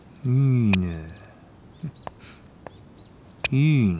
いいね！